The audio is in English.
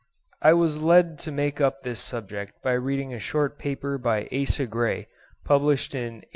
I was led to take up this subject by reading a short paper by Asa Gray, published in 1858.